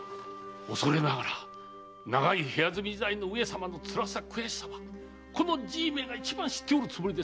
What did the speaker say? おそれながら長い部屋住み時代の上様の辛さ悔しさはこのじいめが一番知っておるつもりです。